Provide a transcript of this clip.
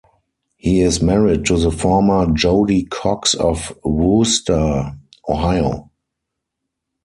He is married to the former Jody Cox of Wooster, Ohio.